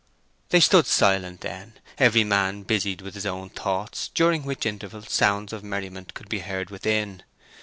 They stood silent then, every man busied with his own thoughts, during which interval sounds of merriment could be heard within.